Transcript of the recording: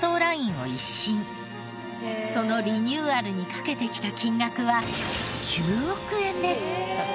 そのリニューアルにかけてきた金額は９億円です。